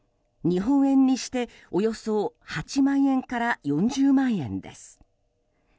日本円にしておよそ８万円から４０万円です。